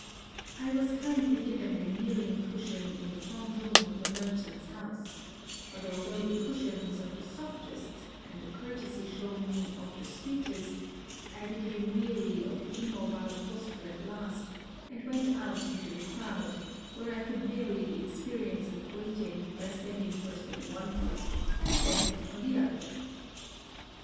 I was kindly given a kneeling cushion in the front room of the merchant's house ; but although the cushion was of the softest and the courtesy shown me of the sweetest, I became weary of the immobile posture at last, and went out into the crowd, where I could vary the experience of waiting by standing first on one foot, and then on the other.